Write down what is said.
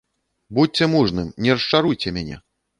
Будзьце мужным, не расчаруйце мяне!